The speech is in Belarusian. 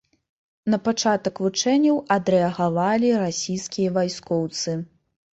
На пачатак вучэнняў адрэагавалі расійскія вайскоўцы.